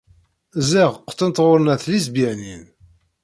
Ziɣ ggtent ɣur-neɣ tlisbyanin!